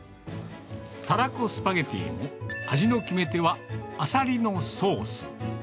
タラコスパゲティも、味の決め手はアサリのソース。